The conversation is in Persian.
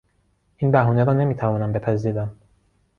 این بهانه را نمیتوانم بپذیرم.